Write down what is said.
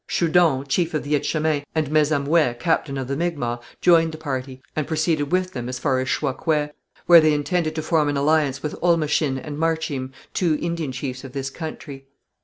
Schoudon, chief of the Etchemins, and Messamouet, captain of the Micmacs, joined the party, and proceeded with them as far as Chouacouet, where they intended to form an alliance with Olmechin and Marchim, two Indian chiefs of this country.